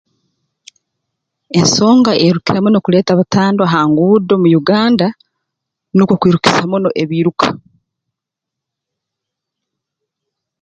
Ensonga eyeerukukira muno kuleeta butandwa ha nguudo mu Uganda nukwo kwirukisa muno ebiiruka